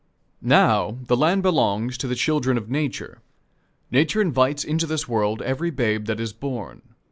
Now, the land belongs to the children of Nature. Nature invites into this world every babe that is born.